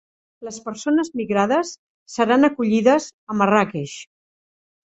Les persones migrades seran acollides a Marràqueix